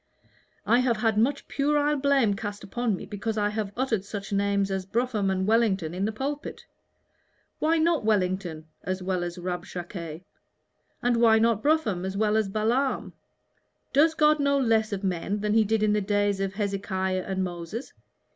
I have had much puerile blame cast upon me because I have uttered such names as Brougham and Wellington in the pulpit. Why not Wellington as well as Rabshakeh? and why not Brougham as well as Balaam? Does God know less of men than He did in the days of Hezekiah and Moses?